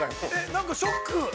◆なんかショック。